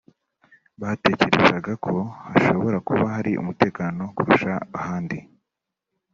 batekerezaga ko hashobora kuba hari umutekano kurusha ahandi